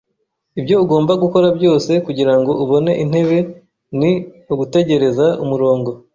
Ibyo ugomba gukora byose kugirango ubone intebe ni ugutegereza umurongo.